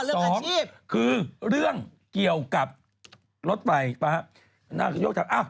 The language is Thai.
ก็คือเรื่องเกี่ยวกับรถไฟครับ